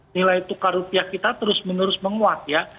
nilai tukar rupiah kita terus menerus menguat ya